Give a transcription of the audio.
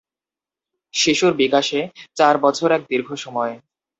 শিশুর বিকাশে চার বছর এক দীর্ঘ সময়।